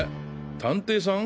探偵さん？